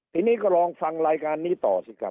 ทีนี้ก็ลองฟังรายการนี้ต่อสิครับ